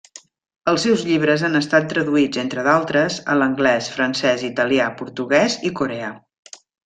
Els seus llibres han estat traduïts, entre d'altres, a l'anglès, francès, italià, portuguès i coreà.